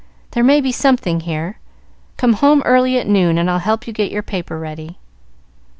There may be something here. Come home early at noon, and I'll help you get your paper ready."